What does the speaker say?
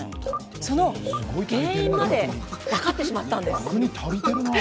その原因まで分かってしまったんです。